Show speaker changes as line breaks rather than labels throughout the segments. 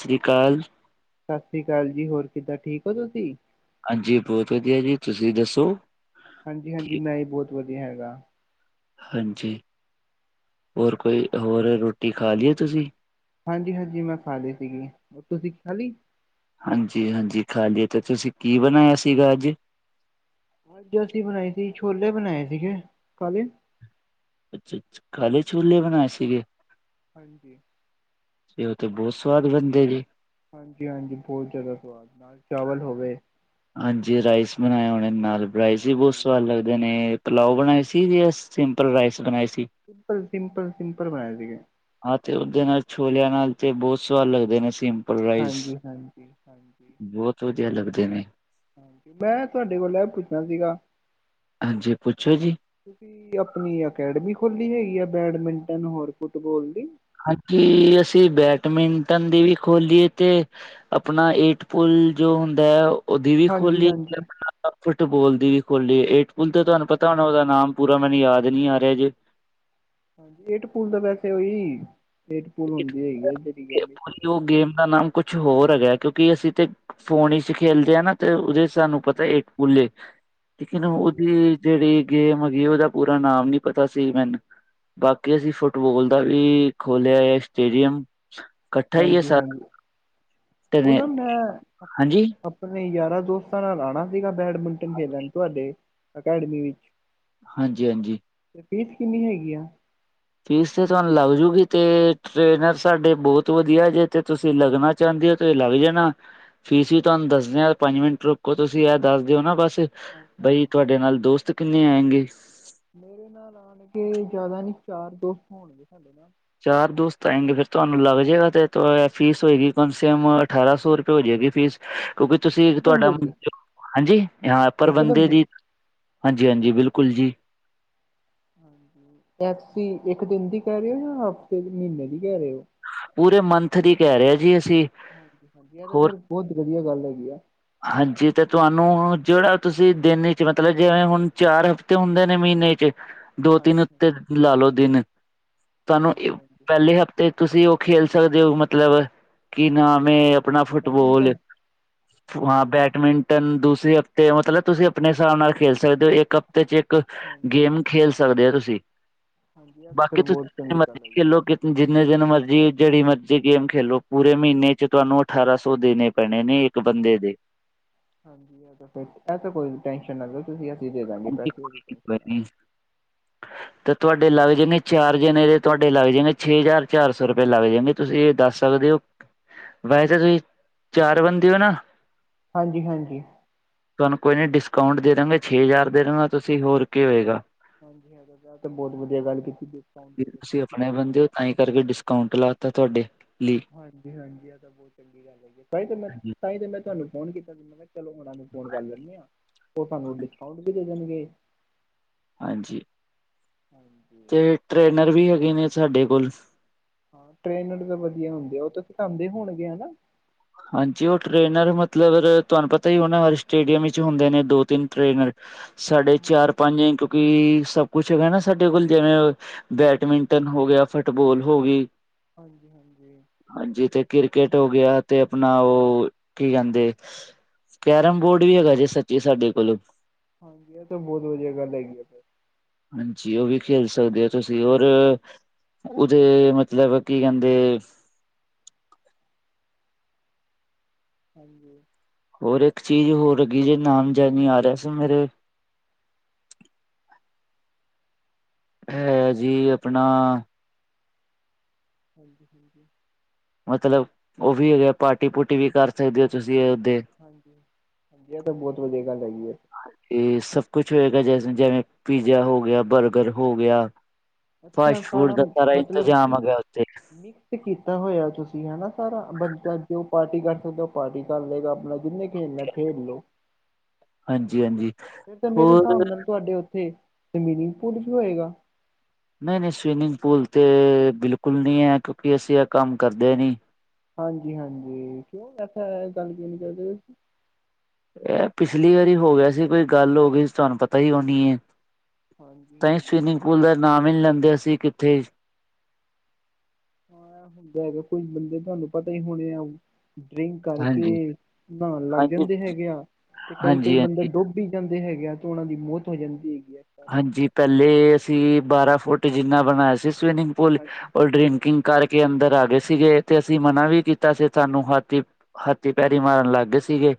ਸਤਿ ਸ਼੍ਰੀ ਅਕਾਲ
ਸਤਿ ਸ੍ਰੀ ਅਕਾਲ ਜੀ ਹੋਰ ਕਿੱਦਾਂ ਠੀਕ ਹੋ ਤੁਸੀਂ?
ਹਾਂਜੀ, ਬਹੁਤ ਵਧੀਆ ਜੀ ਤੁਸੀਂ ਦੱਸੋ
ਹਾਂਜੀ ਹਾਂਜੀ
ਠੀਕ
ਮੈਂ ਹੀ ਬਹੁਤ ਵਧੀਆ ਹੈਗਾ
ਹਾਂਜੀ, ਹੋਰ ਕੋਈ ਹੋਰ ਰੋਟੀ ਖਾ ਲਈਏ ਤੁਸੀਂ
ਹਾਂਜੀ, ਹਾਂਜੀ ਮੈਂ ਖਾ ਲਈ ਸੀਗੀ ਤੁਸੀਂ ਖਾ ਲਈ
ਹਾਂਜੀ ਹਾਂਜੀ ਖਾ ਲਈਏ ਤੇ ਤੁਸੀਂ ਕੀ ਬਣਾਇਆ ਸੀਗਾ ਅੱਜ
ਅੱਜ ਅਸੀਂ ਬਣਾਈ ਸੀ ਛੋਲੇ ਬਣਾਏ ਸੀਗੇ ਕਾਲੇ
ਅੱਛਾ ਅਜ ਕਾਲੇ ਛੋਲੇ ਬਣਾਏ ਸੀਗੇ
ਹਾਂਜੀ
ਤੇ ਉਹ ਤੇ ਬਹੁਤ ਸਵਾਦ ਬਣਦੇ ਜੀ
ਹਾਂਜੀ ਹਾਂਜੀ ਬਹੁਤ ਜ਼ਿਆਦਾ ਸਵਾਦ ਨਾਲ ਚਾਵਲ ਹੋਵੇ
ਹਾਂਜੀ ਰਾਈਸ ਬਣਾਇਆ ਹੋਣੇ ਨਾਲ ਰਾਈਸ ਵੀ ਬਹੁਤ
ਹਾਂਜੀ
ਸਵਾਦ ਲੱਗਦੇ ਨੇ ਪਲਾਓ
ਹਾਂਜੀ
ਬਣਾਏ
ਹਾਂਜੀ
ਸੀ ਜੀ ਐਸ ਸਿੰਪਲ ਰਾਈਸ ਬਣਾਏ ਸੀ
ਸਿੰਪਲ ਸਿੰਪਲ ਸਿੰਪਲ ਬਣਾਏ ਸੀਗੇ
ਹਾਂ ਤੇ ਉਹਦੇ ਨਾਲ ਛੋਲਿਆਂ ਨਾਲ ਤੇ ਬਹੁਤ ਸਵਾਦ ਲੱਗਦੇ ਨੇ ਸਿੰ
ਹਾਂਜੀ- ਹਾਂਜੀ- ਹਾਂਜੀ
ਸੂਦੀਆ ਲੱਗਦੇ ਨੇ
ਹਾਂ ਮੈਂ ਤੁਹਾਡੇ ਕੋਲ ਐਹ ਪੁੱਛਣਾ ਸੀਗਾ
ਹਾਂਜੀ ਪੁੱਛੋ ਜੀ
ਤੁਸੀਂ ਆਪਣੀ ਅਕੈਡਮੀ ਖੋਲੀ ਹੈਗੀ ਆ, ਬੈਡਮਿੰਟਨ ਔਰ ਫੁੱਟਬੋਲ ਦੀ
ਹਾਂਜੀ ਅਸੀਂ ਬੈਡਮਿੰਟਨ ਦੀ ਵੀ ਖੋਲੀ ਏ ਤੇ ਆਪਣਾ ਏਟ ਪੁੁਲ ਜੋ ਹੁੰਦਾ ਹੈ ਉਹ ਉਹਦੀ ਵੀ
ਹਾਂਜੀ
ਖੋਲੀ ਏ
ਹਾਂਜੀ
[unintelligible] ਫੁੱਟਬੋਲ ਦੀ ਵੀ ਖੋਲ੍ਹੀ ਏ ਏਟ ਪੁੁਲ ਤੇ ਤੁਹਾਨੂੰ
ਹਾਂਜੀ
ਪਤਾ ਹੋਣਾ ਉਹਦਾ ਨਾਮ ਪੂਰਾ ਮੈਨੂੰ ਯਾਦ ਨੀ ਆ ਰਿਹਾ ਜੇ
ਹਾਂਜੀ ਏਟ ਪੂਲ ਤਾਂ ਵੈਸੇ ਉਹੀ ਏਟ ਪੂਲ ਹੁੰਦੀ ਹੈਗੀ ਐਦਾਂ ਦੀ ਗੱਲ ਉਹੀ ਹੁੰਦੀ
ਉਸ ਦਾ ਨਾਮ ਕੁਛ ਹੋਰ ਹੈਗਾ ਕਿਉਂਕਿ ਅਸੀਂ ਤੇ ਫੋਨ 'ਚ ਖੇਲਦੇ ਹੈ ਨਾ ਤੇ ਉਹਦੇ ਸਾਨੂੰ
ਹਾਂਜੀ
ਪਤਾ ਇੱਕ ਪੂੱਲ ਏ ਲੇਕਿਨ
ਹਾਂਜੀ
ਉਹਦੀ ਜੇਹੜੀ ਗੇਮ ਹੈਗੀ ਉਹਦਾ ਪੂਰਾ ਨਾਮ ਨੀ ਪਤਾ ਸੀ ਮੈਨੂੰ ਬਾਕੀ ਅਸੀਂ ਫੁੱਟਬੋਲ ਦਾ ਵੀ ਖੋਲਿਆ ਹੈ ਸਟੇਡੀਅਮ ਇਕੱਠਾ ਹੀ ਹੈ
ਹਾਂਜੀ-
ਸਾਰਾ
ਹਾਂਜੀ ਉਹ
ਨੇ।
ਨਾ ਮੈਂ
ਹਾਂਜੀ
ਆਪਣੇ ਯਾਰਾਂ ਦੋਸਤਾਂ ਨਾਲ ਆਣਾ ਸੀਗਾ ਬੈਡਮਿੰਟਨ ਖੇਡਣ ਤੁਹਾਡੇ ਅਕੈਡਮੀ ਵਿੱਚ
ਹਾਂਜੀ- ਹਾਂਜੀ
ਫੇਰ ਫੀਸ ਕਿੰਨੀ ਹੈਗੀ ਆ
ਫੀਸ ਤੇ ਤੁਹਾਨੂੰ ਲੱਗ ਜਾਉਗੀ ਤੇ ਟ੍ਰੇਨਰ ਸਾਡੇ ਬਹੁਤ ਵਧੀਆ ਜੇ ਤੇ ਤੁਸੀਂ ਲੱਗਣਾ ਚਾਹੁੰਦੇ ਹੋ ਤੇ ਲੱਗ ਜਾਣਾ, ਫੀਸ ਹੀ ਤੁਹਾਨੂੰ ਦੱਸਦੇ ਪੰਜ ਮਿੰਟ ਰੁਕੋ ਤੁਸੀਂ ਇਹ ਦੱਸ ਦਿਓ ਨਾ ਬਸ।
ਹਾਂਜੀ
ਬਈ
ਹਾਂਜੀ
ਤੁਹਾਡੇ ਨਾਲ ਦੋਸਤ ਕਿੰਨੇ ਆਏੰਗੇ
ਮੇਰੇ ਨਾਲ ਆਣ ਕੇ ਜ਼ਿਆਦਾ ਨਹੀ ਚਾਰ ਦੋਸਤ ਹੋਣਗੇ ਸਾਡੇ ਨਾਲ
ਚਾਰ ਦੋਸਤ ਆਏਂਗੇ ਫੇਰ ਤੁਹਾਨੂੰ ਲੱਗ ਜਾਏਗਾ ਤੇ ਫੀਸ ਹੋਏਗੀ ਕਮ ਸੇ ਕਮ ਅਠਾਰਾਂ ਸੌ ਰੁਪਏ ਹੋ ਜਾਏਗੀ ਫੀਸ ਕਿਉਂਕਿ ਤੁਸੀਂ
ਇੱਕ
ਤੁਹਾਡਾ
ਬੰਦੇ
[unintelligible]
ਦੀ
ਹਾਂਜੀ ਹਾਂ ਪਰ ਬੰਦੇ ਦੀ ਹਾਂਜੀ- ਹਾਂਜੀ ਬਿਲਕੁਲ ਜੀ
ਟੈਕਸੀ ਇੱਕ ਦਿਨ ਦੀ ਕਹਿ ਰਹੇ ਹੋ ਜਾਂ ਹਫ਼ਤੇ ਮਹੀਨੇ ਦੀ ਕਹਿ ਰਹੇ ਹੋ
ਪੂਰੇ ਮੰਥ ਦੀ ਕਹਿ ਰਹੇ ਜੀ ਅਸੀਂ
ਹਾਂਜੀ- ਹਾਂਜੀ ਇਹ ਤਾਂ
ਹੋਰ
ਫਿਰ ਬਹੁਤ ਵਧੀਆ ਗੱਲ ਹੈਗੀ ਆ
ਹਾਂਜੀ ਤੇ ਤੁਹਾਨੂੰ ਜਿਹੜਾ ਤੁਸੀਂ ਦਿਨ 'ਚ ਮਤਲਬ ਜਿਵੇਂ ਹੁਣ ਚਾਰ ਹਫ ਤੇ ਹੁੰਦੇ ਨੇ ਮਹੀਨੇ 'ਚ ਦੋ
ਹਾਂਜੀ
ਤਿੰਨ
ਹਾਂਜੀ
ਉੱਤੇ ਲਾ ਲਓ ਦਿਨ, ਤੁਹਾਨੂੰ
ਹਾਂਜੀ ਹਾਂਜੀ
ਪਹਿਲੇ ਹਫ਼ਤੇ ਤੁਸੀਂ ਉਹ ਖੇਲ ਸਕਦੇ ਹੋ, ਮਤਲਬ ਕਿ ਨਾਮ ਏ ਅਪ ਆਪਣਾ ਫੁੱਟਬੋਲ
ਬੈਡਮਿੰਟਨ
ਹਾਂ
ਹਾਂਜੀ
ਬੈਡਮਿੰਟ ਦੂਸਰੇ ਹਫ਼ਤੇ ਮਤਲਬ, ਤੁਸੀਂ ਆਪਣੇ ਹਿਸਾਬ ਨਾਲ ਖੇਲ ਸਕਦੇ ਹੋ, ਇੱਕ ਹਫ਼ਤੇ 'ਚ ਇੱਕ
ਹਾਂਜੀ
ਗੇਮ
ਹਾਂਜੀ
ਖੇਲ ਸਕਦੇ ਔ ਤੁਸੀਂ
ਹਾਂਜੀ ਇਹ ਤਾਂ ਫਿਰ
ਬਾਕੀ ਤੁਸੀਂ
ਬਹੁਤ
ਜੇ
ਚੰਗੀ ਗੱਲ
ਮਰਜੀ
ਹੈ ਜੀ
ਖੇਲੋ ਕਿ ਜਿੰਨੇ ਦਿਨ ਮਰਜ਼ੀ ਜਿਹੜੀ ਮਰਜ਼ੀ ਗੇਮ ਖੇਲੋ, ਪੂਰੇ ਮਹੀਨੇ 'ਚ ਤੁਹਾਨੂੰ ਅਠਾਰਾਂ ਸੌ ਦੇਣੇ ਪੈਣੇ ਨੇ ਇੱਕ ਬੰਦੇ ਦੇ
ਹਾਂਜੀ ਇਹ ਤਾਂ ਫੇਰ ਇਹ ਤਾਂ ਕੋਈ ਟੈਨਸ਼ਨ ਨਾ ਲਓ ਤੁਸੀ ਅਸੀ ਦੇ ਦਾਂਗੇ ਪੈਸੇ [unintelligible] [inaudible]
ਤੇ ਤੁਹਾਡੇ ਲੱਗ ਜਾਨੇ ਚਾਰ ਜਨੇ ਦੇ ਤੁਹਾਡੇ ਲੱਗ ਜਾਦੇ ਛੇ ਹਜ਼ਾਰ ਚਾਰ ਸੌ ਰੁਪਏ ਲੱਗ ਜਾਨੇ ਤੁਸੀਂ ਇਹ ਦੱਸ ਸਕਦੇ ਓ, ਵੈਸੇ ਤੁਸੀਂ ਚਾਰ ਬੰਦੇ ਹੋ ਨਾ।
ਹਾਂਜੀ -ਹਾਂਜੀ।
ਤੁਹਾਨੂੰ ਕੋਈ ਨੀ ਡਿਸਕਾਊਂਟ ਦੇ ਦੇਦਾਂਗੇ ਛੇ ਹਜ਼ਾਰ ਦੇ ਦਾਂਗਾ ਤੁਸੀਂ ਹੋਰ ਕੀ ਹੋਏਗਾ।
ਹਾਂਜੀ ਹਾਂ ਐਹ ਬਹੁਤ ਵਧੀਆ ਗੱਲ ਕੀਤੀ ਡਿਸਕਾਊਂਟ ਦੇ ਕੇ ਸਾਨੂੰ
ਤਾਂਂਹੀ ਕਰਕੇ ਡਿਸਕਾਊਂਟ ਲਾਤਾ ਤੁਹਾਡੇ ਲਈ
ਹਾਂਜੀ - ਹਾਂਜੀ ਆਹ ਤਾਂ ਬਹੁਤ ਚੰਗੀ ਗੱਲ ਹੈਗੀ ਤਾਂਹੀ ਤਾਂ ਮੈਂ ਤੁਹਾਨੂੰ ਫੋਨ ਕੀਤਾ ਸੀ ਮੈ ਕਿਹਾ ਚਲੋ ਉਹਨਾਂ ਨੂੰ ਫੋਨ ਕਰ ਲੈਂਦੇ ਹਾਂ ਉਹ ਤੁਹਾਨੂੰ ਡਿਸਕਾਊਂਟ ਵੀ ਦੇ ਦੇਣਗੇ।
ਹਾਂਜੀ।
ਹਾਂਜੀ।
ਤੇ ਟ੍ਰੇਨਰ ਵੀ ਹੈਗੇ ਨੇ ਸਾਡੇ ਕੋਲ
ਹਾਂ ਟ੍ਰੇਨਰ ਤਾਂ ਵਧੀਆ ਹੁੰਦੇ ਆ ਉਹ ਤਾਂ ਢਉਦੇ ਹੋਣਗੇ ਹਨਾ।
ਹਾਂਜੀ ਉਹ ਟ੍ਰੇਨਰ ਮਤਲਬ ਤੁਹਾਨੂੰ ਪਤਾ ਹੀ ਉਹਨਾਂ ਹਰ ਸਟੇਡੀਅਮ ਵਿੱਚ ਹੁੰਦੇ ਨੇ ਦੋ ਤਿੰਨ ਟ੍ਰਰੇਨਰ ਸਾਡੇ ਚਾਰ
ਹਾਂਜੀ
ਪੰਜ ਕਿਉਂਕਿ ਸਭ ਕੁਛ ਹੈਗਾ ਨਾ ਸਾਡੇ ਕੋਲ ਜਿਵੇਂ ਬੈਡਮਿੰ ਟਨ ਹੋ ਗਿਆ ਫੁੱਟਬੋਲ ਹੋ ਗਈ
ਹਾਂਜੀ -ਹਾਂਜੀ।
ਹਾਂਜੀ ਤੇ ਕ੍ਰਿਕਕੇਟ ਹੋ ਗਿਆ ਤੇ ਆਪਣਾ ਉਹ ਕੀ ਕਹਿੰਦੇ ਕੈਰਮ ਬੋਰਡ ਵੀ ਹੈਗਾ ਜੇ ਸੱਚੀ ਸਾਡੇ ਕੋਲੋਂ
ਹਾਂਜੀ। ਇਹ ਤਾਂ ਬਹੁਤ ਵਧੀਆ ਗੱਲ ਹੈਗੀ ਆ ਫਿਰ
ਹਾਂਜੀ। ਉਹ ਵੀ ਖੇਲ ਸਕਦੇ ਹੋ ਤੁਸੀਂ ਓਰ ਉਹਦੇ ਮਤਲਬ ਕੀ ਕਹਿੰਦੇ
ਹਾਂਜੀ।
ਹੋਰ ਇੱਕ ਚੀਜ਼ ਹੋਰ ਹੈਗੀ ਜੇ ਨਾਮ ਜਾਦ ਨੀ ਆ ਰਿਹਾ ਸੀ ਮੇਰੇ ਹੈ ਜੀ ਆਪਣਾ
[inaudible]
ਮਤਲਬ ਉਹ ਵੀ ਹੈਗੇ ਪਾਰਟੀ ਪੁਰਟੀ ਵੀ ਕਰ ਸਕਦੇ ਹੋ ਤੁਸੀਂ ਉੱਥੇ
ਹਾਂਜੀ ਇਹ ਤਾਂ ਬਹੁਤ ਵਧੀਆ ਗੱਲ ਹੈਗੀ ਹੈ।
ਤੇ ਸਭ ਕੁਛ ਹੋਏਗਾ ਜ ਜਿਵੇਂ ਪੀਜ਼ਾ ਹੋ ਗਿਆ ਬਰਗਰ ਹੋ ਗਿਆ
ਅੱਛਾ
ਫਾਸਟ ਫੂਡ ਦਾ ਸਾਰਾ
ਮਤਲਬ
ਇੰਤਜ਼ਾਮ
ਕਿ
ਹੈਗਾ ਉੱਥੇ
ਮਿਕਸ ਕੀਤਾ ਹੋਇਆ ਤੁਸੀਂ ਹਨਾ ਸਾਰਾ ਬੰਦਾ ਜੋ ਪਾਰਟੀ ਕਰ ਸਕਦਾ ਉਹ ਪਾਰਟੀ ਕਰ ਲਏਗਾ ਆਪਣਾ ਜਿੰਨੇ ਖੇਲਣਾ ਖੇਲ ਲੋ
ਹਾਂਜੀ ਹਾਂਜੀ
ਫਿਰ ਤਾਂ ਮੇਰੇ
ਹੋਰ
ਹਿਸਾਬ ਨਾਲ ਤੁਹਾਡੇ ਉੱਥੇ ਤੇ ਸਵੀਮਿੰਗ ਪੂਲ ਵੀ ਹੋਏਗਾ
ਨਹੀਂ - ਨਹੀਂ ਸਵੀਮਿੰਗ ਪੂਲ ਤੇ ਬਿਲਕੁਲ ਨਹੀਂ ਹੈ ਕਿਉਂਕਿ ਅਸੀਂ ਇਹ ਕੰਮ ਕਰਦੇ ਨਹੀਂ
ਹਾਂਜੀ - ਹਾਂਜੀ ਕਿਉਂ ਐਸਾ ਗੱਲ ਗੁਲ ਕਰਦੇ ਤੁਸੀਂ
ਇਹ ਪਿਛਲੀ ਵਾਰੀ ਹੋ ਗਿਆ ਸੀ ਕੋਈ ਗੱਲ ਹੋ ਗਈ ਸੀ ਤੁਹਾਨੂੰ ਪਤਾ ਹੀ ਹੋਨੀ ਏ
ਹਾਂਜੀ
ਤਾਂ
ਹਾਂਜੀ
ਸਵੀਮਿੰਗ ਪੂਲ ਦਾ ਨਾਮ ਹੀ ਲੈਂਦੇ ਆਸੀ ਕਿੱਥੇ
ਹਾਂ ਹੁੰਦਾ ਹੈਗਾ ਕੋਈ ਬੰਦੇ ਤੁਹਾਨੂੰ ਪਤਾ ਹੀ ਹੋਣੇ ਆ ਡਰਿੰਕ ਕਰਕੇ
ਹਾਂਜੀ
ਨਹਾਉਣ ਲੱਗ
ਹਾਂਜੀ
ਜਾਂਦੇ ਹੈਗੇ ਆ ਤੇ ਕਈ-ਕਈ
ਹਾਂਜੀ
ਬੰਦੇ
ਹਾਂਜੀ
ਡੁੱਬ ਜਾਂਦੇ ਹੈਗੇ ਆ ਤੇ ਉਹਨਾਂ ਦੀ ਮੌਤ ਹੋ ਜਾਂਦੀ ਹੈਗੀ ਹੈ। ਕਾਰਨ
ਹਾਂਜੀ। ਪਹਿਲੇ ਅਸੀਂ ਬਾਰਾਂ ਫੁੱਟ ਜਿੰਨਾ ਬਣਾਇਆ ਸੀ ਸਵਿਨਿੰਗ ਪੂਲ
ਹਾਂਜੀ
ਉਹ
ਹਾਂਜੀ
ਡਰਿੰਕਿੰਗ ਕਰਕੇ ਅੰਦਰ ਆ ਗਏ ਸੀਗੇ ਤੇ ਅਸੀਂ ਮਨਾ ਵੀ ਕੀਤਾ ਸੀ ਸਾਨੂੰ ਹਾਥੀ ਹਾਥੀ ਪੈਰੀ ਮਾਰਨ ਲੱਗ ਗਏ ਸੀਗੇ।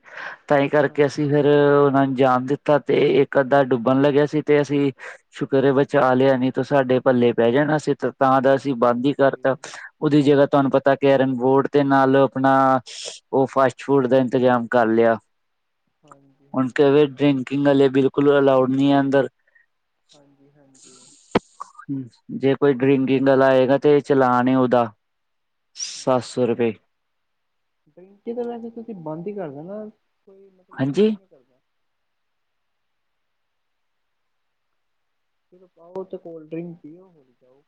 ਤਾਂ ਹੀ ਕਰਕੇ
ਹਾਂਜੀ
ਅਸੀਂ ਫੇਰ ਉਹਨਾਂ ਨੂੰ ਜਾਣ ਦਿੱਤਾ ਤੇ ਇੱਕ ਅੱਧਾ ਡੁੱਬਣ ਲੱਗਿਆ ਸੀ। ਤੇ ਅਸੀਂ ਸ਼ੁਕਰ ਹੈ ਬਚਾ ਲਿਆ ਨੀ ਤੋਂ ਸਾਡੇ ਪੱਲੇ ਪੈ ਜਾਣਾ ਸੀ। ਤਾਂ ਦਾ ਅਸੀਂ
ਹਾਂਜੀ ਹਾਂਜੀ
ਬੰਦ ਹੀ ਕਰਤਾ ਉਹਦੀ ਜਗ੍ਹਾ ਤੁਹਾਨੂੰ ਪਤਾ ਕਰਨ ਬੋਰਡ ਦੇ ਨਾਲ ਆਪਣਾ ਉਹ ਫਾਸਟ ਫੂਡ ਦਾ ਇੰਤਜ਼ਾਮ ਕਰ ਲਿਆ।
ਹਾਂਜੀ
ਹੁਣ
ਹਾਂਜੀ ਉਹ
ਤੇ
ਤਾਂ ਹੈ
ਡਰਿੰਕਿੰਗ ਵਾਲੇ ਬਿਲਕੁਲ ਅਲਾਊਡ ਨਹੀਂ ਹੈ ਅੰਦਰ
ਹਾਂਜੀ -ਹਾਂਜੀ।
ਜੇ ਕੋਈ ਡਰਿੰਕਿੰਗ ਵਾਲਾ ਆਏਗਾ ਤੇ ਚਲਾਨ ਹੈ ਉਹਦਾ ਸੱਤ
ਹਾਂਜੀ
ਸੌ ਰੁਪਏ
ਡਰਿੰਕ ਤਾਂ ਵੈਸੇ ਤੁਸੀਂ ਬੰਦ ਹੀ ਕਰ ਦੋ ਨਾ। ਕੋਈ ਮਤਲਬ
ਹਾਂਜੀ
ਕੋਹੀ ਨਹੀਂ ਕਰਦਾ। ਪਾਓ ਤੇ ਕੋਲਡ ਡਰਿੰਕ ਪੀਓ, ਹੋ ਜਾਓ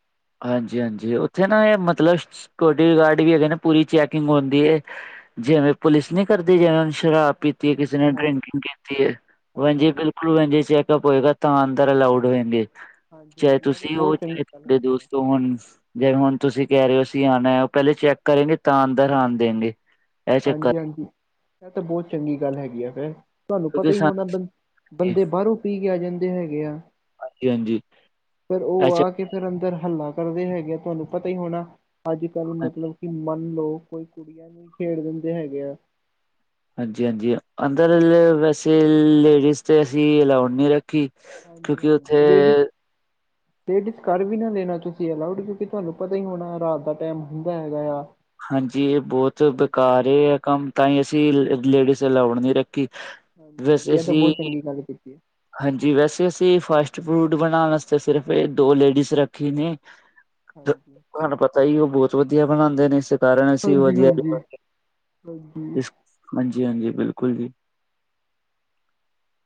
ਹਾਂਜੀ-ਹਾਂਜੀ, ਉੱਥੇ ਨਾ ਇਹ ਮਤਲਬ ਸਕਿਉਰਿਟੀ ਗਾਰਡ ਵੀ ਹੈਗੇ ਨੇ ਪੂਰੀ ਚੈਕਿੰਗ ਹੁੰਦੀ ਐ। ਜਿਵੇਂ ਪੁਲਿਸ ਨੀ ਕਰਦੀ ਜਾਂਚ ਸ਼ਰਾਬ
ਹਾਂਜੀ
ਪੀਤੀ ਕਿਸੇ
ਹਾਂਜੀ
ਨੇ
ਹਾਂਜੀ
ਡਰਿੰਕਿੰਗ ਕੀਤੀ ਏ ਵੈਂਜ
ਹਾਂਜੀ
ਈ
ਹਾਂਜੀ
ਬਿਲਕੁਲ ਵੈਂਜ ਈ ਬਿਲਕੁਲ ਚੈਕਅਪ ਹੋਏਗਾ। ਤਾਂ ਅੰਦਰ ਅਲਾਊਡ ਹੋਏਗੇ,
ਹਾਂਜੀ
ਚਾਹੇ
ਹਾਂਜੀ ਇਹ ਤਾਂ
ਤੁਸੀਂ ਹੋ
ਬਹੁਤ
ਚਾਹੇ
ਚੰਗੀ ਗੱਲ
ਤੁਹਾਡੇ
ਹੈਗੀ ਆ
ਦੋਸਤੋ ਹੋਣ। ਜੇ ਹੁਣ ਤੁਸੀਂ ਕਹਿ ਰਹੇ ਹੋ ਅਸੀਂ ਆਣਾ ਐ ਉਹ ਪਹਿਲੇ ਚੈੱਕ ਕਰੇਗੇ ਤਾਂ ਅੰਦਰ ਆਣ ਦੇਣਗੇ। ਇਹ ਚੱਕਰ
ਹਾਂਜੀ-ਹਾਂਜੀ, ਇਹ ਤਾਂ ਬਹੁਤ ਚੰਗੀ ਗੱਲ ਹੈਗੀ ਆ ਤੇ। ਤੁਹਾਨੂੰ
ਕਿਉਂਕਿ
ਪਤਾ ਹੀ ਹੋਣਾ
ਸਾਨੂੰ
ਬੰ ਬੰਦੇ ਬਾਹਰੋਂ ਪੀ ਕੇ ਆ ਜਾਂਦੇ ਹੈਗੇ ਆ।
ਹਾਂਜੀ-ਹਾਂਜੀ।
ਫੇਰ ਉਹ ਆ ਕੇ ਫੇਰ ਅੰਦਰ ਹੱਲਾ ਕਰਦੇ ਹੈਗੇ ਆ ਤੁਹਾਨੂੰ ਪਤਾ ਹੀ ਹੋਣਾ, ਅੱਜ ਕੱਲ ਮਤਲਬ ਕਿ ਮੰਨ ਲੋ ਕੋਈ ਕੁੜੀਆਂ ਨੂੰ ਹੀ ਛੇੜ ਦਿੰਦੇ ਹੈਗੇ ਆ।
ਹਾਂਜੀ- ਹਾਂਜੀ, ਅੰਦਰ ਐਲ ਵੈਸੇ ਲੇਡੀਜ਼ ਤੇ ਅਸੀਂ ਅਲਾਊਡ ਨਹੀਂ ਰੱਖੀ।
ਹਾਂਜੀ
ਕਿਉਂਕਿ ਉੱਥੇ
ਟੇਡੀਜ਼ ਕਰ ਵੀ ਨਾ ਲੈਣਾ ਤੁਸੀਂ ਅਲਾਊਡ ਕਿਉਂਕਿ ਤੁਹਾਨੂੰ ਪਤਾ ਹੀ ਹੋਣਾ ਰਾਤ ਦਾ ਟਾਈਮ ਹੁੰਦਾ ਹੈਗਾ ਆ।
ਹਾਂਜੀ, ਇਹ ਬਹੁਤ
ਹਾਂਜੀ
ਬੇਕਾਰ ਇਹ ਆ ਕੰਮ ਤਾਂ ਹੀ ਅਸੀਂ ਲੇਡੀਜ਼ ਅਲਾਉਡ ਨਹੀਂ ਰੱਖੀ।
ਹਾਂਜੀ-ਹਾਂਜੀ,
ਵੈਸੇ
ਇਹ ਤਾਂ
ਅਸੀਂ
ਬਹੁਤ ਚੰਗੀ ਗੱਲ ਕੀਤੀ।
ਹਾਂਜੀ, ਵੈਸੇ ਅਸੀਂ ਫਾਸਟ-ਫੂਡ ਬਣਾਣ ਆਸਤੇ ਸਿਰਫ ਇਹ ਦੋ ਲੇਡੀਜ਼ ਰੱਖੀ ਨੇ। ਦ
ਹਾਂਜੀ
ਤੁਹਾਨੂੰ ਪਤਾ ਈ ਉਹ ਬਹੁਤ ਵਧੀਆ ਬਣਾਂਦੇ ਨੇ ਇਸ ਕਾਰਨ ਅਸੀਂ
ਹਾਂਜੀ
ਵਧੀਆ,
ਹਾਂਜੀ ਹਾਂਜੀ
[unintelligible] ਹਾਂਜੀ-ਹਾਂਜੀ ਬਿਲਕੁਲ ਜੀ।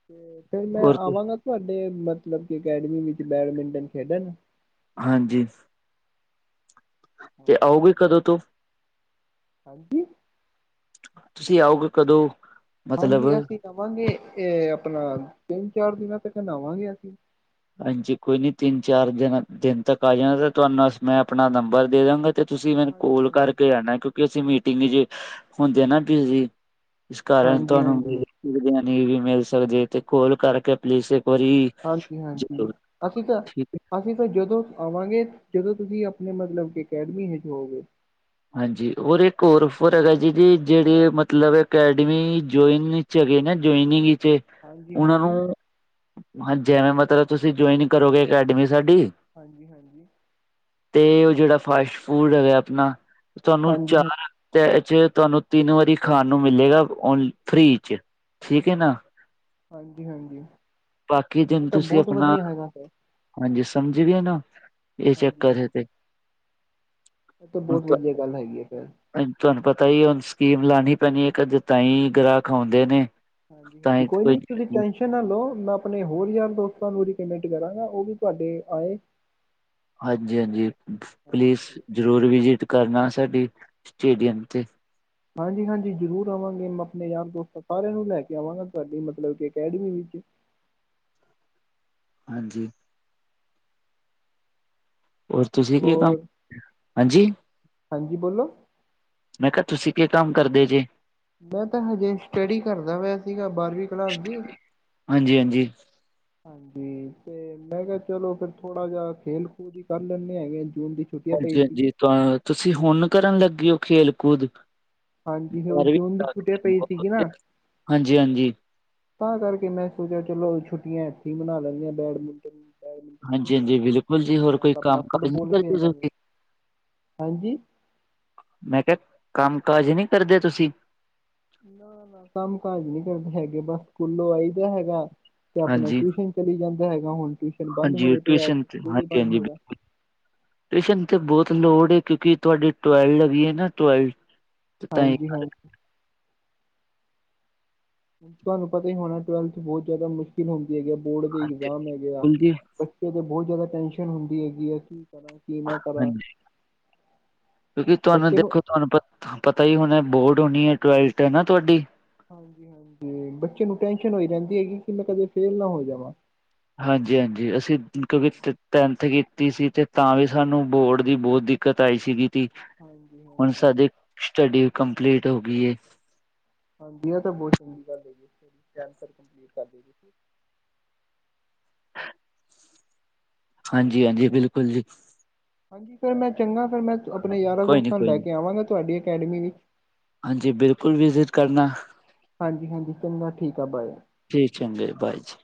ਤੇ ਫਿਰ ਮੈਂ
ਹੋਰ ਕੀ-
ਆਵਾਂਗਾ ਤੁਹਾਡੇ ਮਤਲਬ ਕਿ ਅਕੈਡਮੀ ਵਿੱਚ ਬੈਡਮਿੰਟਨ ਖੇਡਣ।
ਹਾਂਜੀ। ਤੇ ਆਓਗੇ
ਹਾਂਜੀ।
ਕਦੋਂ ਤੋਂ
ਹਾਂਜੀ।
ਤੁਸੀਂ ਆਓਗੇ ਕਦੋਂ?
ਹਾਂਜੀ,
ਮਤਲਬ
ਅਸੀਂ ਆਵਾਂਗੇ ਇਹ ਆਪਣਾ ਤਿੰਨ-ਚਾਰ ਦਿਨਾਂ ਤੱਕ ਆਵਾਂਗੇ ਅਸੀਂ।
ਹਾਂਜੀ, ਕੋਈ ਨੀ ਤਿੰਨ ਚਾਰ ਦਿਨਾ ਦਿਨ ਤੱਕ ਆ ਜਾਣਾ ਤੇ ਤੁਹਾਨੂੰ ਸ ਮੈਂ ਆਪਣਾ ਨੰਬਰ ਦੇ ਦੇ ਦਾ ਗਾ। ਤੇ ਤੁਸੀਂ ਮੈਨੂੰ ਕੋਲ
ਹਾਂਜੀ ਹਾਂਜੀ
ਕਰਕੇ ਆਣਾ ਕਿਉਂਕਿ ਅਸੀਂ ਮੀਟਿੰਗ ਹੁੰਦੇ ਆ ਨਾ ਬਿਜ਼ੀ। ਇਸ ਕਾਰਨ
ਹਾਂਜੀ
ਤੁਹਾਨੂੰ
ਹਾਂਜੀ
ਵੀ ਬੀਰਆਨੀ ਵੀ ਮਿਲ ਸਕਦੀ ਤੇ ਕੋਲ ਕਰਕੇ ਪਲੀਸ ਇੱਕ ਵਾਰੀ
ਹਾਂਜੀ-ਹਾਂਜੀ।
ਜ਼ਰੂਰ
ਅਸੀਂ ਤਾਂ
ਠੀਕ ਹੈ
ਅਸੀਂ ਤਾਂ ਜਦੋਂ ਆਵਾਂਗੇ ਜਦੋਂ ਤੁਸੀਂ ਆਪਣੇ ਮਤਲਬ ਕਿ ਅਕੈਡਮੀ ਏਚ ਹੋਵੋਗੇ।
ਹਾਂਜੀ, ਔਰ ਇੱਕ ਹੋਰ ਔਫਰ ਹੈਗਾ ਜੀ ਦੀ ਜਿਹੜੇ ਮਤਲਬ ਅਕੈਡਮੀ ਜੁਇਨ ਨੀ ਚ ਗੇ ਨਾ ਜੁਇਨਿੰਗ ਚ
ਹਾਂਜੀ
ਉਹਨਾਂ
ਹਾਂਜੀ
ਨੂੰ ਹਾਂ ਜੇਵੇਂ ਮਤਲਬ ਤੁਸੀਂ ਜੁਆਇਨ ਕਰੋਗੇ ਅਕੈਡਮੀ ਸਾਡੀ।
ਹਾਂਜੀ-ਹਾਂਜੀ।
ਤੇ ਉਹ ਜਿਹੜਾ ਫਾਸ਼-ਫੂਡ ਹੈਗਾ ਆਪਣਾ, ਤੁਹਾਨੂੰ
ਹਾਂਜੀ ਹਾਂ
ਚਾਰ ਤੇ ਇੱਦੇ ਚ ਤੁਹਾਨੂੰ ਤਿੰਨ ਵਾਰੀ ਖਾਣ ਨੂੰ ਮਿਲੇਗਾ ਓਨ ਫ੍ਰੀ ਚ। ਠੀਕ ਐ ਨਾ।
ਹਾਂਜੀ-ਹਾਂਜੀ,
ਬਾਕੀ
ਇਹ
ਦਿਨ
ਤਾਂ
ਤੁਸੀਂ
ਬਹੁਤ
ਆਪਣਾ
ਵਧੀਆ ਹੈਗਾ ਫੇਰ।
ਹਾਂਜੀ, ਸਮਝ ਗਏ ਨਾ, ਇਹ
ਹਾਂਜੀ
ਚੱਕਰ ਐ ਤੇ।
ਹਾਂਜੀ ਇਹ ਤਾਂ
ਹੁਣ
ਬਹੁਤ ਵਧੀਆ
ਤੁਹਾ
ਗੱਲ ਹੈਗੀ ਏ ਫੇਰ।
ਤੁਹਾਨੂੰ ਪਤਾ ਹੀ ਹੁਣ ਸਕੀਮ ਲਾਣੀ ਪੈਣੀ ਐ ਕਦੇ ਤਾਂ ਗ੍ਰਾਹਕ ਆਉਂਦੇ ਨੇ। ਤਾਂ
ਹਾਂਜੀ-ਹਾਂਜੀ,
ਹੀ
ਕੋਈ ਨੀ ਤੁਸੀਂ ਟੈਸ਼ਨ [unintelligible] ਮੈਂ ਆਪਣੇ ਹੋਰ ਯਾਰ-ਦੋਸਤਾਂ ਨੂੰ ਰਿਕਮੇੰਡ ਕਰਾਂਗਾ ਉਹ ਵੀ ਤੁਹਾਡੇ ਆਏ।
ਹਾਂਜੀ-ਹਾਂਜੀ, ਪਲੀਜ਼
ਹਾਂਜੀ।
ਜ਼ਰੂਰ ਵਿਜਿਟ ਕਰਨਾ ਸਾਡੀ ਸਟੇਡੀਅਮ ਤੇ।
ਹਾਂਜੀ-ਹਾਂਜੀ ਜ਼ਰੂਰ ਆਵਾਂਗੇ ਮੈਂ ਆਪਣੇ ਯਾਰ, ਦੋਸਤਾਂ ਸਾਰਿਆਂ ਨੂੰ ਲੈ ਕੇ ਆਵਾਂਗਾ ਤੁਹਾਡੀ ਮਤਲਬ ਕਿ ਅਕੈਡਮੀ ਵਿੱਚ।
ਹਾਂਜੀ। ਹੋਰ ਤੁਸੀਂ ਕੀ ਕੰਮ,
ਹੋਰ
ਹਾਂਜੀ।
ਹਾਂਜੀ ਬੋਲੋ।
ਮੈਂ ਕੇਆ ਤੁਸੀਂ ਕੀ ਕੰਮ ਕਰਦੇ ਜੇ?
ਮੈਂ ਤਾਂ ਹਜੇ ਸਟੱਡੀ ਕਰਦਾ ਪਿਆ ਸੀਗਾ ਬਾਰਵੀਂ ਕਲਾਸ ਦੀ।
ਹਾਂਜੀ ਹਾਂਜੀ
ਹਾਂਜੀ 'ਤੇ ਮੈਂ ਕਿਹਾ ਚਲੋ ਫੇਰ ਥੋੜਾ ਜਾ ਖੇਲ ਕੂਦ ਈ ਕਰ ਲੈਂਨੇ ਹੈਗੇ ਜੂਨ ਦੀ ਛੁੱਟੀਆਂ ਪਈ
ਹਾਂਜੀ-ਹਾਂਜੀ
ਸੀਗੀ
ਤੁਸੀਂ ਹੁਣ ਕਰਨ ਲੱਗੇ ਓ ਖੇਲ ਕੂਦ?
ਹਾਂਜੀ ਓ
ਬਾਰਵੀਂ
ਜੂਨ ਦੀ ਛੁੱਟੀ ਪਈ ਸੀਗੀ ਨਾ
ਹਾਂਜੀ-ਹਾਂਜੀ।
ਤਾਂ ਕਰਕੇ ਮੈਂ ਸੋਚਿਆ ਚਲੋ ਛੁੱਟੀਆਂ ਇੱਥੇ ਈ ਬਣਾ ਲੈਂਨੇ ਆ ਬੈਡਮਿੰਟਨ ਨੂੰ ਬੈਡਮਿੰਟਨ
ਹਾਂਜੀ,
ਖੇਲ
ਹਾਂਜੀ
ਲਾਂਗੇ
ਬਿਲਕੁਲ ਜੀ
'ਤੇ
ਹੋਰ ਕੋਈ
ਨਾਲ ਆਪਣਾ
ਕੰਮ ਕਾਜ ਨਹੀਂ
ਫੁੱਟਬਾਲ ਖੇਲ
ਕਰਦੇ
ਲਾਂਗੇ।
ਤੁਸੀਂ
ਹਾਂਜੀ।
ਮੈਂ ਕਿਹਾ ਕੰਮ ਕਾਜ ਨੀ ਕਰਦੇ ਤੁਸੀਂ?
ਨਾ-ਨਾ ਕੰਮ ਕਾਜ ਨੀ ਕਰਦੇ ਹੈਗੇ ਬਸ ਸਕੂਲੋਂ ਆਈ ਦਾ ਹੈਗਾ 'ਤੇ ਆਪਣਾ
ਹਾਂਜੀ,
ਟਿਊਸ਼ਨ ਚਲੀ ਜਾਂਦਾ ਹੈਗਾ ਹੁਣ ਟਿਊਸ਼ਨ ਬੰਦ
ਹਾਂਜੀ
ਹੋਏ ਪੇਆ
ਟਿਊਸ਼ਨ ਤੇ
ਸਕੂਲ ਵੀ
ਹਾਂਜੀ,
ਬੰਦ
ਹਾਂਜੀ
ਹੈਗਾ।
ਬਿਲਕੁਲ ਟਿਊਸ਼ਨ 'ਤੇ ਬੋਤ ਲੋੜ ਏ ਕਿਉਂਕਿ ਤੁਹਾਡੀ ਟਵਲਡ ਵੀ ਏ ਨਾ ਟਵਲ, ਤਾਂ ਈ
ਹਾਂਜੀ
ਕਰ
ਹਾਂਜੀ ਤੁਹਾਨੂੰ ਪਤਾ ਈ ਹੋਣਾ ਟਵੈਲਥ ਬੋਹ ਜਿਆਦਾ ਮੁਸ਼ਕਿਲ ਹੁੰਦੀ ਹੈਗੀ ਆ ਬੋਰਡ ਦੇ
ਹਾਂਜੀ,
ਇਗਜ਼ਾਮ ਹੈਗੇ ਆ।
ਬਿਲਕੁਲ ਜੀ
ਬੱਚੇ 'ਤੇ ਬੋ ਜਿਆਦਾ ਟੈਨਸ਼ਨ ਹੁੰਦੀ ਹੈਗੀ ਆ ਕੀ ਕਰਾਂ ਕੀ ਨਾ ਕਰਾਂ,
ਹਾਂਜੀ ਕਿਉਂਕਿ ਤੁਹਾਨੂੰ
ਬੱਚੇ ਨੂੰ
ਦੇਖੋ ਤੁਹਾਨੂੰ ਪ ਪਤਾ ਈ ਹੋਣਾ ਬੋਰਡ ਹੋਣੀ ਐ ਟਵੈਲਟ ਏ ਨਾ ਤੁਹਾਡੀ।
ਹਾਂਜੀ-ਹਾਂਜੀ ਬੱਚੇ ਨੂੰ ਟੈਸ਼ਨ ਹੋਈ ਰਹਿੰਦੀ ਹੈਗੀ ਕਿ ਮੈਂ ਕਦੇ ਫੇਲ ਨਾ ਹੋ ਜਾਵਾਂ।
ਹਾਂਜੀ-ਹਾਂਜੀ ਅਸੀਂ ਕਵੀ ਟ ਟੈਨਥ ਕੀਤੀ ਸੀ 'ਤੇ ਤਾਂ ਵੀ ਸਾਨੂੰ ਬੋਰਡ ਦੀ ਬੋ ਦਿੱ ਕਤ ਆਈ ਸੀਗੀ ਤੀ,
ਹਾਂਜੀ
ਹੁਣ
ਹਾਂਜੀ
ਸਾਡੀ ਸਟੱਡੀ ਕੰਪਲੀਟ ਹੋਗੀ ਏ।
ਹਾਂਜੀ ਏ 'ਤੇ ਬੋ ਚੰਗੀ ਗੱਲ ਹੈਗੀ ਏ ਟਾਇਮ ਤੱਕ ਕੰਪਲੀਟ ਕਰਲੀ ਤੁਸੀਂ।
[inaudible] ਹਾਂਜੀ-ਹਾਂਜੀ ਬਿਲਕੁੱਲ ਜੀ।
ਹਾਂਜੀ ਫੇਰ ਮੈਂ ਚੰਗਾ ਫੇਰ ਮੈਂ ਆਪਣੇ ਯਾਰਾਂ,
ਕੋਈ ਨੀ
ਦੋਸਤਾਂ ਨੂੰ
ਕੋਈ
ਲੈ
ਨੀ
ਕੇ ਆਵਾਂਗਾ ਤੁਹਾਡੀ ਅਕੈਡਮੀ ਵਿੱ
ਹਾਂਜੀ ਬਿਲਕੁਲ ਵਿਜਿਟ ਕਰਨਾ
ਹਾਂਜੀ-ਹਾਂਜੀ ਚੰਗਾ ਠੀਕ ਆ ਬਾਏ।
ਠੀਕ ਚੰਗਾ ਜੀ ਬਾਏ ਜੀ।